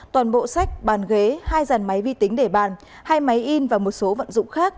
toàn bộ sách bàn ghế hai dàn máy vi tính để bàn hai máy in và một số vận dụng khác